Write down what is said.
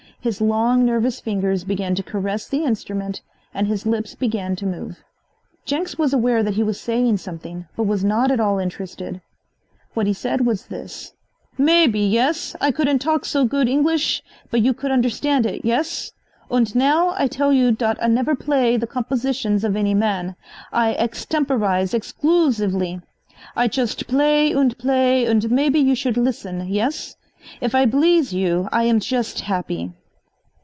His long nervous fingers began to caress the instrument and his lips began to move. Jenks was aware that he was saying something, but was not at all interested. What he said was this: "Maybe, yes, I couldn't talk so good English, but you could understood it, yes? Und now I tell you dot I never play the compositions of any man. I axtemporize exgloosively. I chust blay und blay, und maybe you should listen, yes? If I bleeze you I am chust happy."